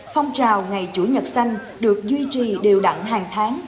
phong trào ngày chủ nhật xanh được duy trì đều đặn hàng tháng